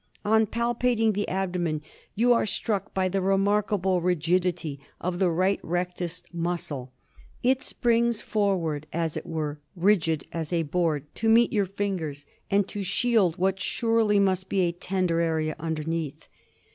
On palpating the abdomen you are struck by the remarkable rigidity of the right rectus muscle ; it springs forward as it were, rigid as a board, to meet your fingers, and to shield what surely must be a tender area underneath.